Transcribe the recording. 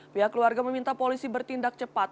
pihak keluarga meminta polisi bertindak cepat